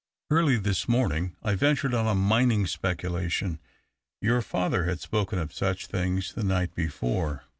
Early this morning I ventured on a mining speculation — your father had spoken of such things the night before.